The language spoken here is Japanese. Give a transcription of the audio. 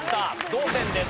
同点です。